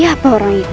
siapa orang itu